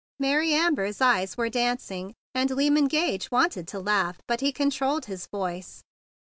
Mary Amber s eyes were dancing, and Lyman Gage wanted to laugh, but he controlled his voice.